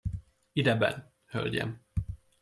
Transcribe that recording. Idebenn, hölgyem!